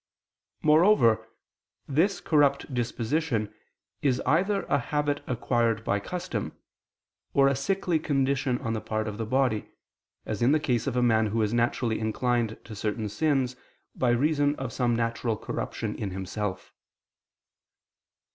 Moreover this corrupt disposition is either a habit acquired by custom, or a sickly condition on the part of the body, as in the case of a man who is naturally inclined to certain sins, by reason of some natural corruption in himself.